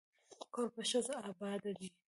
کور په ښځه اباد دی.